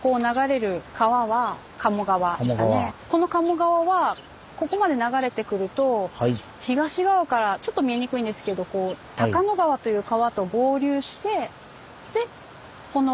この賀茂川はここまで流れてくると東側からちょっと見えにくいんですけど高野川という川と合流してでこの。